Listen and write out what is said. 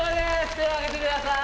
手を上げてください